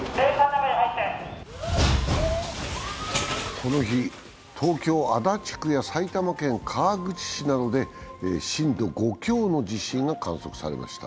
この日、東京・足立区や埼玉県川口市などで震度５強の地震が観測されました。